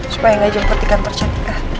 supaya gak jemput di kantor cat